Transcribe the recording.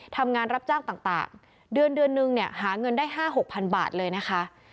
ทำงานรับจ้างต่างเดือนเดือนนึงเนี่ยหาเงินได้๕๖๐๐๐บาทเลยนะคะ